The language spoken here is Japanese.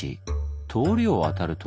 通りを渡ると。